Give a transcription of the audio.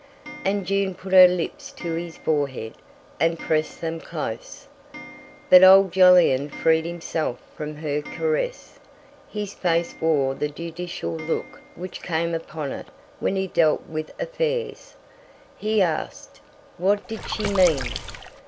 And June put her lips to his forehead, and pressed them close. But old Jolyon freed himself from her caress, his face wore the judicial look which came upon it when he dealt with affairs. He asked: What did she mean?